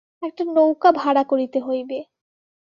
একটা নৌকা ভাড়া করিতে হইবে।